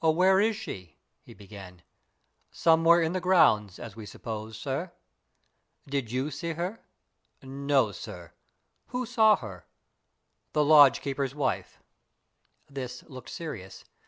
"Where is she?" he began. "Somewhere in the grounds, as we suppose, sir." "Did you see her?" "No, sir." "Who saw her?" "The lodge keeper's wife." This looked serious.